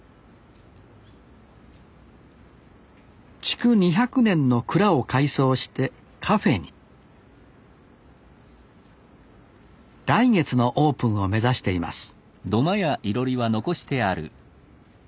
築２００年の蔵を改装してカフェに来月のオープンを目指しています